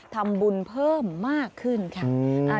ทำบุญเพิ่มมากขึ้นค่ะ